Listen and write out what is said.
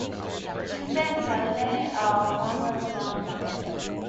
Tuesday and Saturday are Farmers Market days.